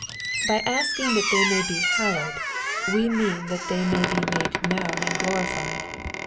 By asking that they may be "hallowed," we mean that they may be made known and glorified.